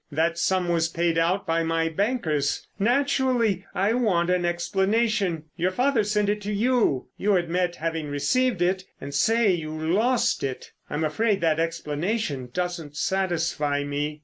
That sum was paid out by my bankers. Naturally, I want an explanation. Your father sent it to you. You admit having received it, and say you lost it. I'm afraid that explanation doesn't satisfy me."